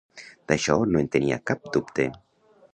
D'això no en tenia cap dubte!